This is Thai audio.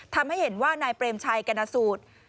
ทำให้เห็นว่านายเปรมชัยกรณสูตร